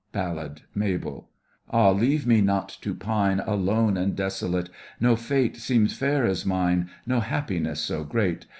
BALLAD—MABEL Ah, leave me not to pine Alone and desolate; No fate seemed fair as mine, No happiness so great!